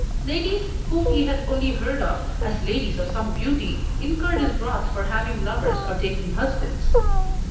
Ladies whom he had only heard of as ladies of some beauty incurred his wrath for having lovers or taking husbands.